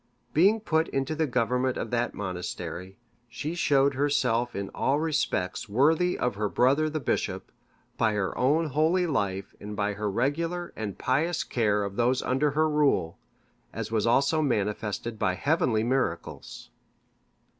Being put into the government of that monastery, she showed herself in all respects worthy of her brother the bishop, by her own holy life and by her regular and pious care of those under her rule, as was also manifested by heavenly miracles.